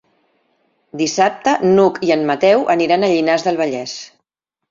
Dissabte n'Hug i en Mateu aniran a Llinars del Vallès.